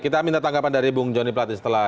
saya minta tanggapan dari bung jonny platin setelah